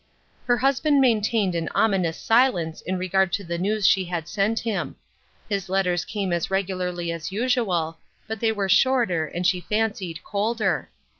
Her husband maintained an ominous silence in regard to the news she had sent him. His let ters came as regularly as usual, but they were shorter, and she fancied colder.